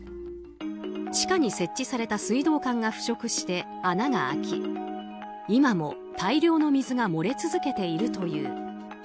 地下に設置された水道管が腐食して穴が開き今も大量の水が漏れ続けているという。